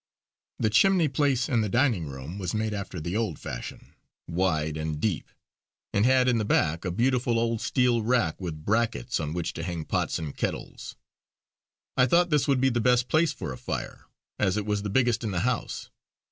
The chimney place in the dining room was made after the old fashion, wide and deep, and had in the back a beautiful old steel rack with brackets on which to hang pots and kettles. I thought this would be the best place for a fire, as it was the biggest in the house.